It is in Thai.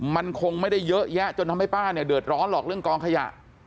มันคงไม่ได้เยอะแยะจนทำให้ป้าเนี่ยเดือดร้อนหรอกเรื่องกองขยะ